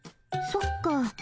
そっか。